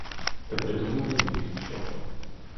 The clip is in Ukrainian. Та придумати не міг нічого.